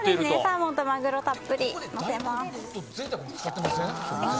サーモンとマグロたっぷりのせています。